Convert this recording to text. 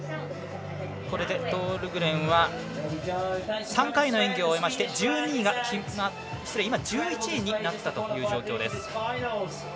これでトールグレンは３回の演技を終えまして今１１位になったという状況です。